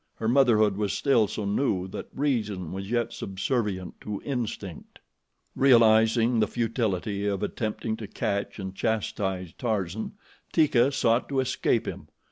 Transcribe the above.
Her motherhood was still so new that reason was yet subservient to instinct. Realizing the futility of attempting to catch and chastise Tarzan, Teeka sought to escape him.